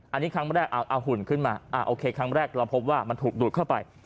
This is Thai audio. อันนี้ครั้งแรกเอาหุ่นขึ้นมาโอเคครั้งแรกเราพบว่ามันถูกดูดเข้าไป